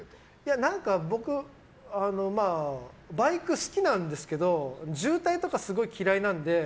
僕、バイク好きなんですけど渋滞とかすごい嫌いなので。